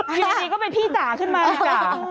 เยี่ยมนี้ก็เป็นพี่จ๋าขึ้นมาพี่จ๋า